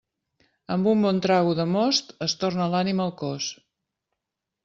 Amb un bon trago de most es torna l'ànima al cos.